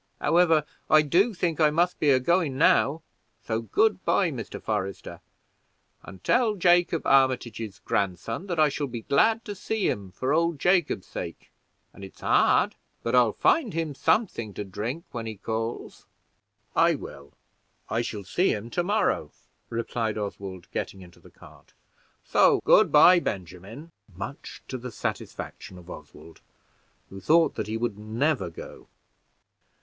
However, I do think I must be agoing now, so good by, Mr. Forester; and tell Jacob Armitage's grandson that I shall be glad to see him, for old Jacob's sake; and it's hard, but I'll find him something to drink when he calls." "I will: I shall see him to morrow." replied Oswald, getting into the cart; "so good by, Benjamin," much to the satisfaction of Oswald, who thought that he would never go.